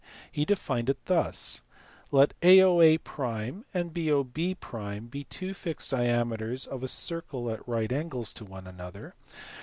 He defined it thus: let AOA and BOB be two fixed diameters of a circle at right angles to one another.